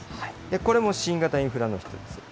これも新型インフラの一つ。